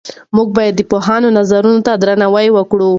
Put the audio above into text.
موږ باید د پوهانو نظرونو ته درناوی وکړو.